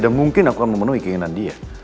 dan mungkin aku akan memenuhi keinginan dia